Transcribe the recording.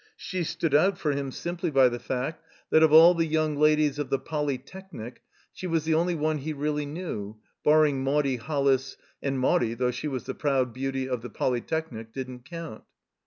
She stood out for him simply by the fact that, of all the young ladies of the Polytechnic, she was the only one he really knew — ^barring Maudie HoUis, and Maudie, though she was the proud beauty of the Polytechnic, didn't coimt.